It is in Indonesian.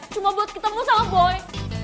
cuma buat ketemu sama boy